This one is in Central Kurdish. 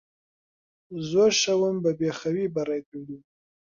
زۆر شەوم بەبێخەوی بەڕێ کردوون.